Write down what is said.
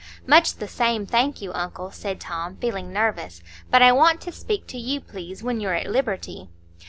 "Much the same, thank you, uncle," said Tom, feeling nervous. "But I want to speak to you, please, when you're at liberty."